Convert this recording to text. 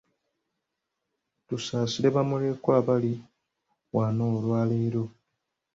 Tusaasire bamulekwa abali wano olwaleero.